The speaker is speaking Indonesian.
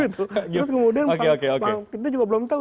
terus kemudian kita juga belum tahu